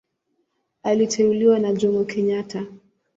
Aliteuliwa na Jomo Kenyatta.